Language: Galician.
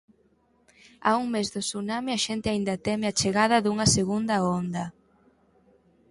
A un mes do tsunami a xente aínda teme a chegada dunha segunda onda.